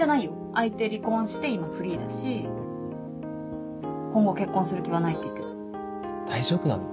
相手離婚して今後結婚する気はないって言ってた大丈夫なの？